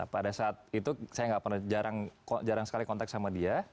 pada saat itu saya nggak pernah jarang sekali kontak sama dia